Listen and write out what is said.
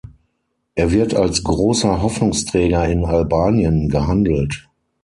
Er wird als großer Hoffnungsträger in Albanien gehandelt.